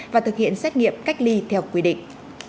và thực hiện xét nghiệm cách ly theo quy định